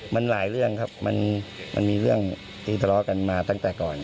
มันหลายเรื่องครับมันมีเรื่องที่ทะเลาะกันมาตั้งแต่ก่อน